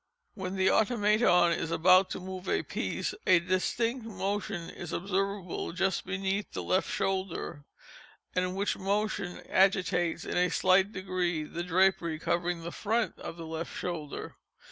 When the Automaton is about to move a piece, a distinct motion is observable just beneath the left shoulder, and which motion agitates in a slight degree, the drapery covering the front of the left shoulder.